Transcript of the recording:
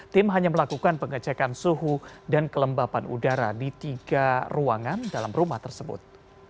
tim hanya melakukan pengecekan suhu dan kelembapan udara di tiga ruangan dalam rumah tersebut